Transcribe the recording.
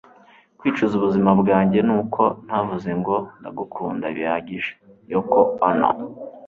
kwicuza ubuzima bwanjye ni uko ntavuze ngo 'ndagukunda' bihagije. - yoko ono